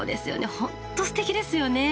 本当すてきですよね。